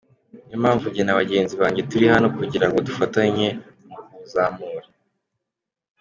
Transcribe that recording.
Ni yo mpamvu njye na bagenzi banjye turi hano kugira ngo dufatanye mu kuwuzamura.